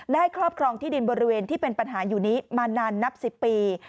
ครอบครองที่ดินบริเวณที่เป็นปัญหาอยู่นี้มานานนับ๑๐ปี